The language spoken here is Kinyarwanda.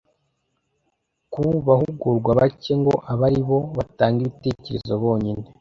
ku bahugurwa bake ngo abe ari bo batanga ibitekerezo bonyine